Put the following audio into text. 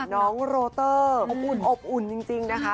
น้องโรเตอร์อบอุ่นจริงนะคะ